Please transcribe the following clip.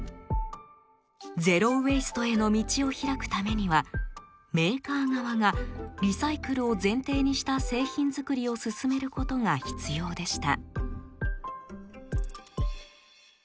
ゼロ・ウェイストへの道を開くためにはメーカー側がリサイクルを前提にした製品作りを進めることが必要でした。